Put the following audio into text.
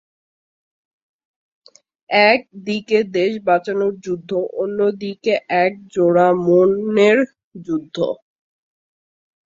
এক দিকে দেশ বাঁচানোর যুদ্ধ, অন্য দিকে এক জোড়া মনের যুদ্ধ।